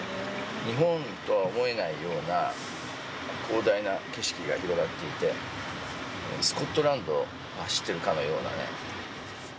日本とは思えないような広大な景色が広がっていて、スコットランドを走っているかのようなね。